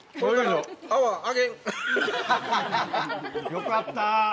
よかった。